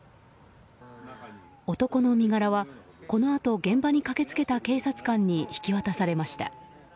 男の身柄は、このあと現場に駆け付けた警察官に引き渡されました。